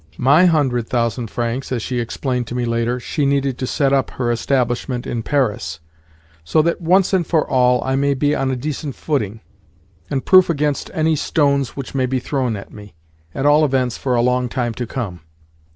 My hundred thousand francs (as she explained to me later) she needed to set up her establishment in Paris, "so that once and for all I may be on a decent footing, and proof against any stones which may be thrown at me—at all events for a long time to come."